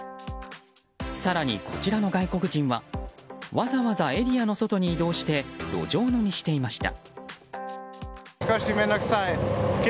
更に、こちらの外国人はわざわざエリアの外に移動して路上飲みしていました。